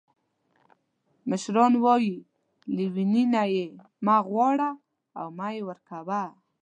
مشران وایي لیوني نه یې مه غواړه او مه یې ورکوه.